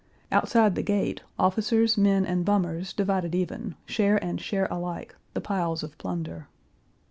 Outside the gate officers, men, and bummers divided even, share and share alike, the piles of plunder.